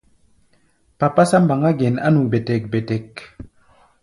Papásá mbaŋá gɛn á nu bɛ́tɛ́k-bɛ́tɛ́k.